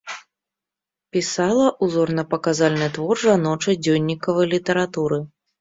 Пісала ўзорна-паказальны твор жаночай дзённікавай літаратуры.